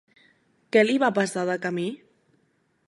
Què li va passar de camí?